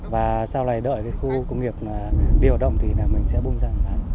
và sau này đợi cái khu công nghiệp đi vào động thì mình sẽ bung ra